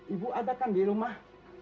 ibu ada kan di rumah